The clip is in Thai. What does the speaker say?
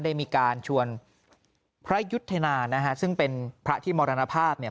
ได้มีการชวนพระยุทธนานะฮะซึ่งเป็นพระที่มรณภาพเนี่ย